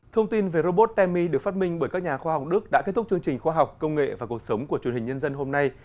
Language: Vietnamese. thông tin về robot temi được phát minh bởi các nhà khoa học đức đã kết thúc chương trình khoa học công nghệ và cuộc sống của truyền hình nhân dân hôm nay